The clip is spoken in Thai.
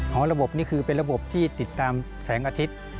ระบบนี่คือเป็นระบบที่ติดตามแสงอาทิตย์